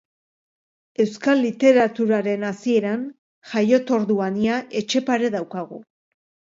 Euskal literaturaren hasieran, jaiotorduan ia, Etxepare daukagu.